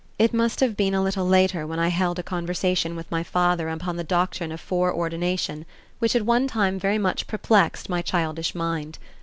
It must have been a little later when I held a conversation with my father upon the doctrine of foreordination, which at one time very much perplexed my childish mind.